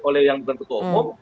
oleh yang bukan ketua umum